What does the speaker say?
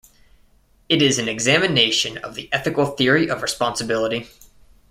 It is an examination of the ethical theory of responsibility.